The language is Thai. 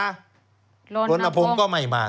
รณพงษ์รณพงษ์ก็ไม่มา